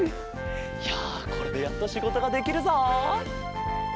いやこれでやっとしごとができるぞ。